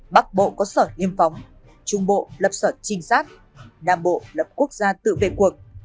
bắc bộ có sở nghiêm phóng trung bộ lập sở trinh sát nam bộ lập quốc gia tự về cuộc